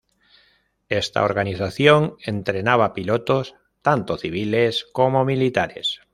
Esta organización entrenaba pilotos tanto civiles como militares.